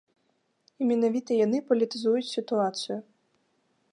І менавіта яны палітызуюць сітуацыю.